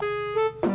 wah ini dia